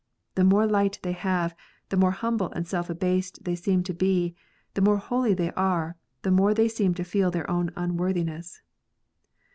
The more light they have, the more humble and self abased they seem to be ; the more holy they are, the more they seem to feel their own unworthiness.